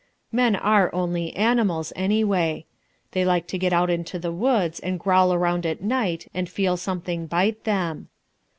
Men are only animals anyway. They like to get out into the woods and growl round at night and feel something bite them.